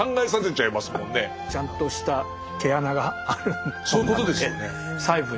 ちゃんとした「毛穴」がある本なんで。